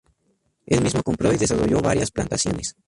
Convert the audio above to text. Él mismo compró y desarrolló varias plantaciones.